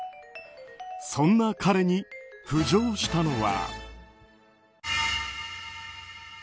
そんな彼に浮上したのは。